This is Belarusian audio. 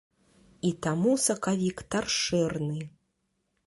І таму сакавік таршэрны.